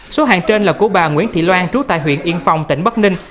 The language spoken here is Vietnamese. số hàng trên là của bà nguyễn thị loan trú tại huyện yên phong tỉnh bắc ninh